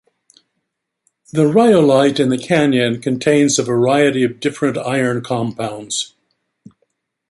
The rhyolite in the canyon contains a variety of different iron compounds.